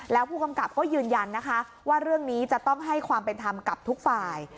แล้วผู้กำกับก็ยืนยันนะคะว่าเรื่องนี้จะต้องให้ความเป็นธรรมกับทุกฝ่าย